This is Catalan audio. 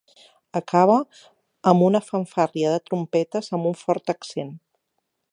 Acaba amb una fanfàrria de trompetes amb un fort accent.